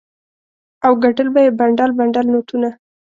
او ګټل به یې بنډل بنډل نوټونه.